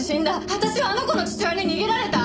私はあの子の父親に逃げられた！